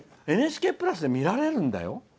「ＮＨＫプラス」で見られるんだよ。